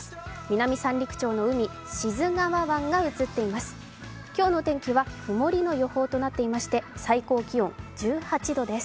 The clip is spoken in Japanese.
南三陸町の海、志津川湾が映っています。